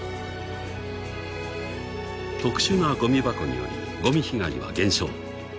［特殊なごみ箱によりごみ被害は減少］